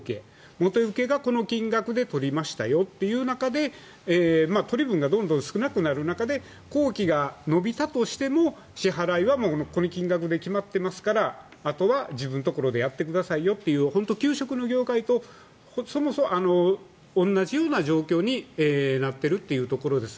元受けがこのような金額で取りましたよという中で取り分がどんどん少なくなる中で工期が延びたとしても支払いはこの金額で決まっていますからあとは自分のところでやってくださいよという本当に給食の業界と同じような状況になっているというところです。